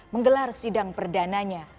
menggelar sidang perdananya